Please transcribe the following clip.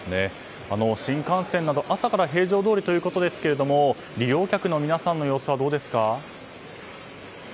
新幹線など朝から平常どおりということですが利用客の皆さんの様子はどうですか？